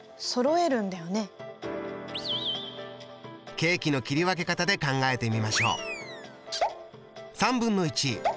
ケーキの切り分け方で考えてみましょう。